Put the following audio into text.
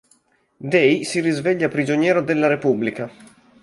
Day si risveglia prigioniero della Repubblica.